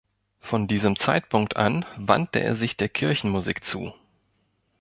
Von diesem Zeitpunkt an wandte er sich der Kirchenmusik zu.